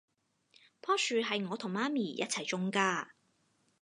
樖樹係我同媽咪一齊種㗎